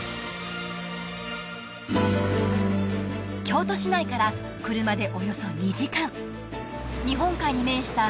京都市内から車でおよそ２時間日本海に面した